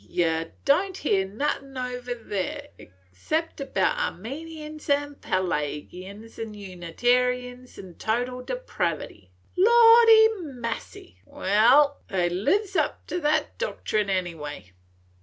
Yer don't hear nothin' over there now 'xcept about Armenians an' Pelagians an' Unitarians an' total depravity. Lordy massy! wal, they lives up to that doctrine any way.